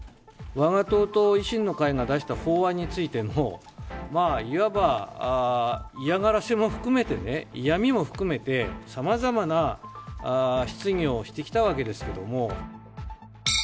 わが党と維新の会が出した法案についての、いわば嫌がらせも含めてね、嫌みも含めて、さまざまな質疑をしてきたわけですけども。